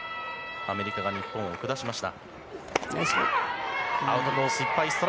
アメリカが日本を下しました。